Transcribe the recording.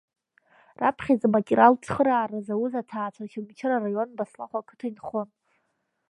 Раԥхьаӡа аматериалтә цхыраара зауз аҭаацәа Очамчыра араион, Баслахә ақыҭа инхоит.